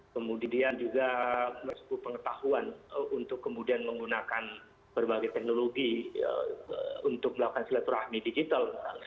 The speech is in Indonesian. kemudian juga melakukan pengetahuan untuk kemudian menggunakan berbagai teknologi untuk melakukan silaturahmi digital